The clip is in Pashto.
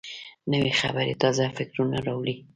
نوې خبرې تازه فکرونه راوړي